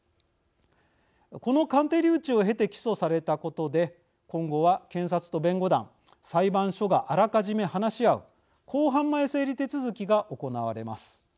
この鑑定留置を経て起訴されたことで今後は検察と弁護団裁判所があらかじめ話し合う公判前整理手続きが行われます。